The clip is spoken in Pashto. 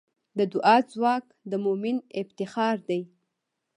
د دعا ځواک د مؤمن افتخار دی.